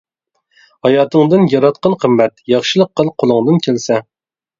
ھاياتىڭدىن ياراتقىن قىممەت، ياخشىلىق قىل قولۇڭدىن كەلسە.